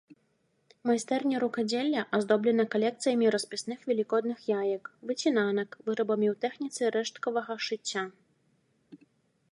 Майстэрня рукадзелля аздоблена калекцыямі распісных велікодных яек, выцінанак, вырабамі ў тэхніцы рэшткавага шыцця.